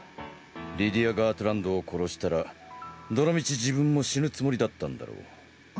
リディア・ガートランドを殺したらどのみち自分も死ぬつもりだったんだろう。